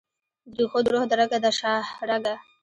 درېښو دروح درګه ، دشاهرګه